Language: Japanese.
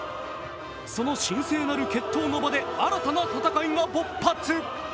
その神聖なる決闘の場で新たな戦いが勃発。